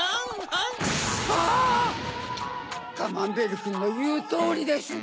カマンベールくんのいうとおりです！